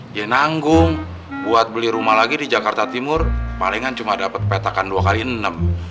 dia nanggung buat beli rumah lagi di jakarta timur palingan cuma dapat petakan dua kali enam